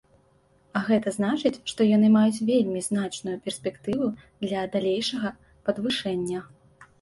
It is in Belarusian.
А гэта значыць, што яны маюць вельмі значную перспектыву для далейшага падвышэння.